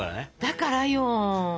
だからよ。